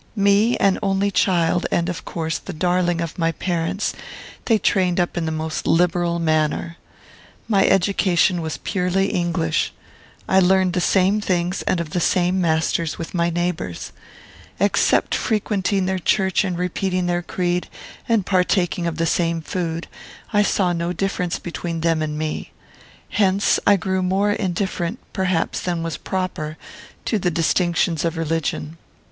"Me, an only child, and, of course, the darling of my parents, they trained up in the most liberal manner. My education was purely English. I learned the same things and of the same masters with my neighbours. Except frequenting their church and repeating their creed, and partaking of the same food, I saw no difference between them and me. Hence I grew more indifferent, perhaps, than was proper, to the distinctions of religion.